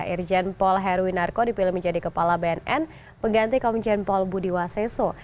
irjen paul heruwinarko dipilih menjadi kepala bnn pengganti komisen paul budiwaseso